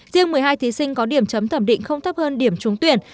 riêng một mươi hai thí sinh có điểm chấm thẩm định không thấp hơn điểm trúng tuyển